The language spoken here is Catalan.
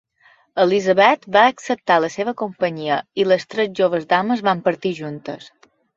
Elisabet va acceptar la seva companyia i les tres joves dames van partir juntes.